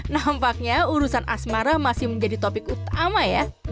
nampaknya urusan asmara masih menjadi topik utama ya